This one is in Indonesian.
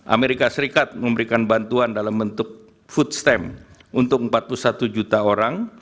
amerika serikat memberikan bantuan dalam bentuk food stemp untuk empat puluh satu juta orang